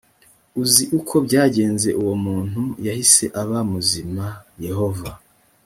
uzi uko byagenze uwo muntu yahise aba muzima yehova